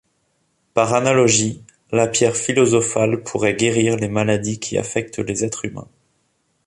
Par analogie, la pierre philosophale pourrait guérir les maladies qui affectent les êtres humains.